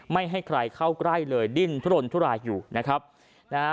ไม่ให้ใครเข้าใกล้เลยดิ้นทุรนทุรายอยู่นะครับนะฮะ